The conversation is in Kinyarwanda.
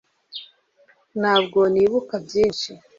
ntabwo nibuka byinshi